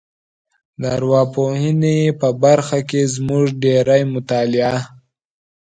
د ارواپوهنې په برخه کې زموږ ډېری مطالعه